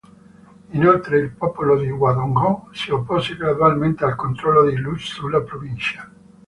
Inoltre, il popolo di Guangdong si oppose gradualmente al controllo di Lu sulla provincia.